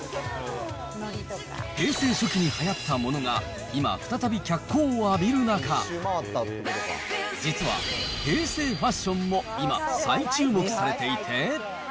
平成初期にはやったものが、今、再び脚光を浴びる中、実は、平成ファッションも今、再注目されていて。